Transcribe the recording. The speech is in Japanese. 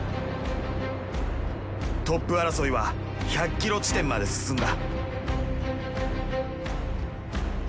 トップ争いは１００ｋｍ地点まで進んだ。